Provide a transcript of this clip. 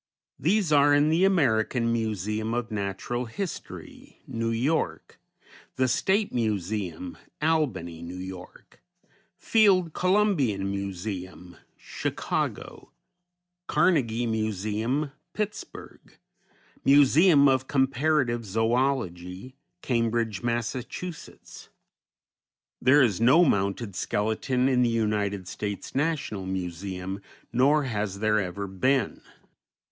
These are in the American Museum of Natural History, New York; the State Museum, Albany, N. Y.; Field Columbian Museum, Chicago; Carnegie Museum, Pittsburg; Museum of Comparative Zoölogy, Cambridge, Mass. There is no mounted skeleton in the United States National Museum, nor has there ever been.